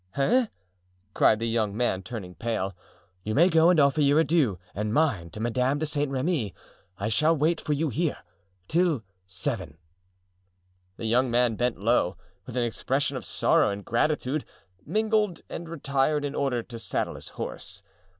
"Eh?" cried the young man, turning pale. "You may go and offer your adieux and mine to Madame de Saint Remy. I shall wait for you here till seven." The young man bent low, with an expression of sorrow and gratitude mingled, and retired in order to saddle his horse.